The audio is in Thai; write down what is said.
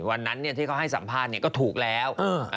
วันนั้นที่เขาให้สัมภาษณ์ก็ถูกแล้ว